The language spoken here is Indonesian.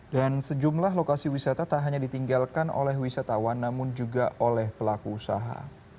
dan sejumlah lokasi wisata tak hanya ditinggalkan oleh wisatawan namun juga oleh pelaku usaha